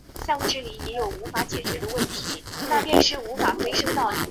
依舞台与观众席的相对关系区分依照建筑内部整体形状区分能乐的舞台有其特定的形状。